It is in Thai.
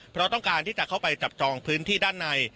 เพราะต้องการที่จะเข้าไปจับจองพื้นที่ด้านใน